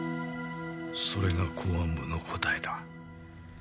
それが公安部の答えだ。